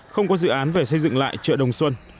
không có dự án về xây dựng lại chợ đồng xuân